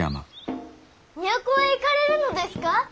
都へ行かれるのですか？